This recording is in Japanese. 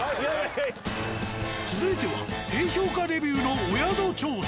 続いては低評価レビューのお宿調査。